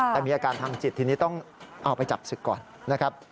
แต่มีอาการทางจิตทีนี้ต้องเอาไปจับศึกก่อนนะครับ